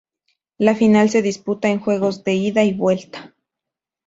La final se disputa en juegos de ida y vuelta.